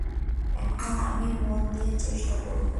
এখন আমি মন দিয়ে চেষ্টা করবো।